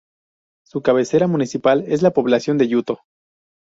Su cabecera municipal es la población de Yuto.